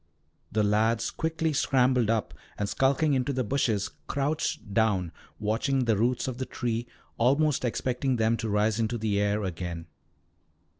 The lads quickly scrambled up and, skulking into the bushes, crouched down, watching the roots of the tree, almost expecting them to rise into the air again.